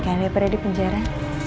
daripada di penjara